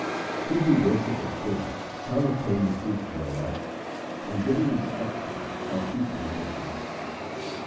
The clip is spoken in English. He who worshippeth him shall obtain the fruit thereof, and giving instruction shall teach men the truth.